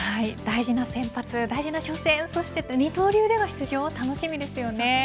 大事な先発、大事な初戦そして二刀流での出場楽しみですよね。